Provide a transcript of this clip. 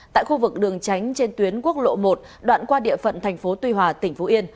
tại khu vực đường tránh trên tuyến quốc lộ một đoạn qua địa phận thành phố tuy hòa tỉnh phú yên